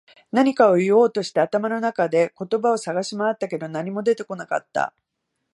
何かを言おうとして、頭の中で言葉を探し回ったけど、何も出てこなかった。